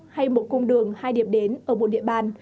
hay một cung đường hai điểm đến ở một địa bàn